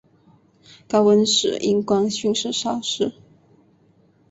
高温时荧光迅速消失。